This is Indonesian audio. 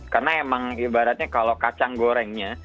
karena emang ibaratnya kalau kacang gorengnya